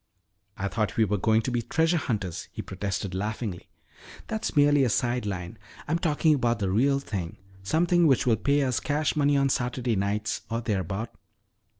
"I thought we were going to be treasure hunters," he protested laughingly. "That's merely a side line. I'm talking about the real thing, something which will pay us cash money on Saturday nights or thereabout."